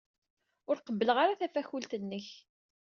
Ur qebbleɣ ara tafakult-nnek.